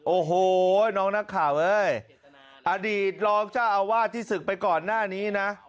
โอ้โหน้องนักข่าวเอ้ยอดีตรองเจ้าอาวาสที่ศึกไปก่อนหน้านี้นะ